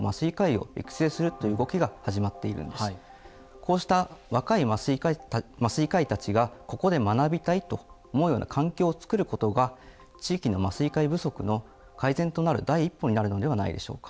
こうした若い麻酔科医たちがここで学びたいと思うような環境をつくることが地域の麻酔科医不足の改善となる第一歩になるのではないでしょうか。